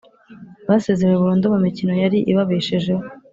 basezerewe burundu mu mikino yari ibabeshejeho.